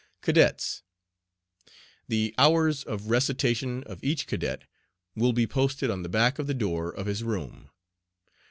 CADETS. The hours of Recitation of each Cadet will be posted on the back of the door of his room.